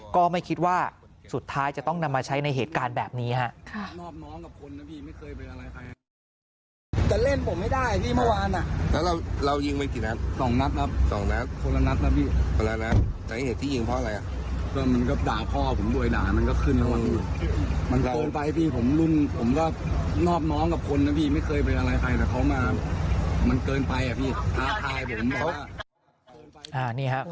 ก็ไม่คิดว่าสุดท้ายจะต้องนำมาใช้ในเหตุการณ์แบบนี้ฮะ